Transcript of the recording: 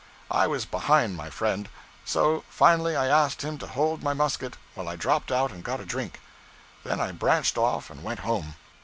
I was behind my friend; so, finally, I asked him to hold my musket while I dropped out and got a drink. Then I branched off and went home.